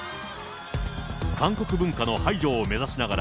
韓国文化の排除を目指しながら、